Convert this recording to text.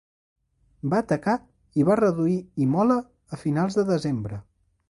Va atacar i va reduir Imola a finals de desembre.